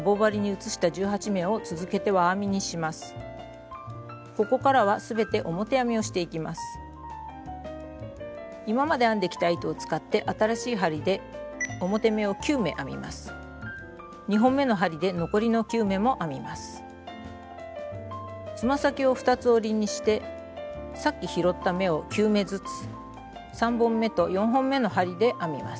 つま先を２つ折りにしてさっき拾った目を９目ずつ３本めと４本めの針で編みます。